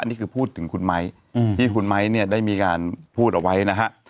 นี่คือพูดถึงคุณไม้ที่คุณไม้เนี่ยได้มีการพูดเอาไว้นะฮะ